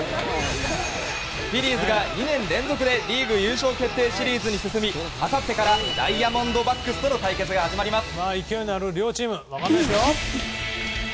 フィリーズが２年連続でリーグ優勝決定シリーズに進みあさってからダイヤモンドバックスとの対決が始まります。